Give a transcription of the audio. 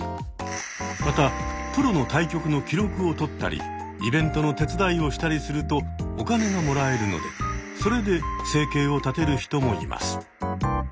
またプロの対局の記録をとったりイベントの手伝いをしたりするとお金がもらえるのでそれで生計を立てる人もいます。